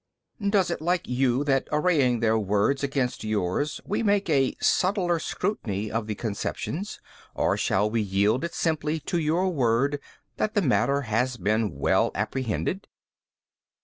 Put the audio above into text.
B. Does it like you that arraying their words against yours we make a subtler scrutiny of the conceptions, or shall we yield it simply to your word that the matter has been well apprehended?